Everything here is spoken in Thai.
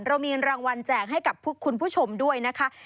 เรามีรางวัลแจกให้กับคุณผู้ชมด้วยนะคะ